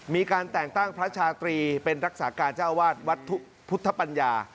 มีการแต่งตั้งพระชาตรีเป็นรักษาการเจ้าวาดวัดพุทธปัญญา